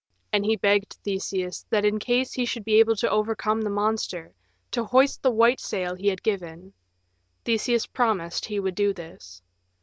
And he begged Theseus, that in case he should be able to overcome the monster, to hoist the white sail he had given. Theseus promised he would do this.